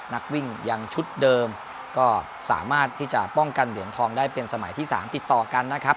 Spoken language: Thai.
นักวิ่งยังชุดเดิมก็สามารถที่จะป้องกันเหรียญทองได้เป็นสมัยที่๓ติดต่อกันนะครับ